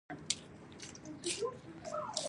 مېلمه ته د زړه خوشبويي ورکړه.